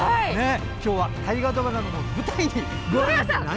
今日は大河ドラマの舞台にご案内。